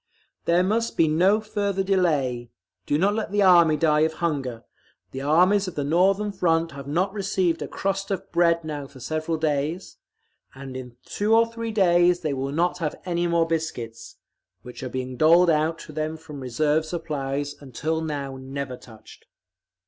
"There must be no further delay; do not let the Army die of hunger; the armies of the Northern Front have not received a crust of bread now for several days, and in two or three days they will not have any more biscuits—which are being doled out to them from reserve supplies until now never touched….